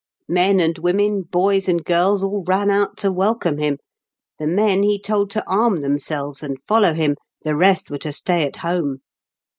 Men and women, boys and girls, all ran out to welcome him ; the men he told to arm themselves and follow him, the rest were to stay at home.